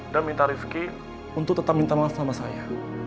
dan minta rifki untuk tetep minta maaf sama saya